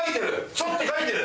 ちょっとかいてる！